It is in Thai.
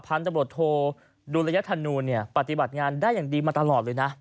ตำรวจโทดุลยธนูลปฏิบัติงานได้อย่างดีมาตลอดเลยนะ